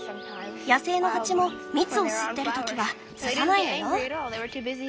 野生のハチも蜜を吸ってるときは刺さないのよ。